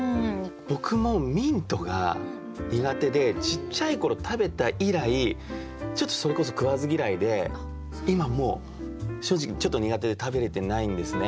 僕もミントが苦手でちっちゃい頃食べた以来ちょっとそれこそ食わず嫌いで今も正直ちょっと苦手で食べれてないんですね。